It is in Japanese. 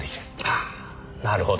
ああなるほど。